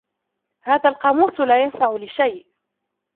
هذا القاموس لا ينفع لشيء.